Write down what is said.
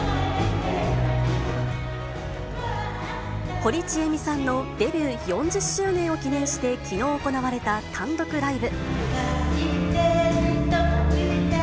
堀ちえみさんのデビュー４０周年を記念して、きのう行われた単独ライブ。